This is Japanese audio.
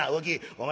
お前